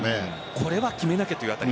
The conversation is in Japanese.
これは決めなきゃというあたり。